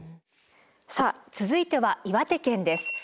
さあ続いては岩手県です。